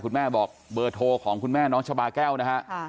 คุณแม่บอกเบอร์โทรของคุณแม่น้องชะบาแก้วนะฮะ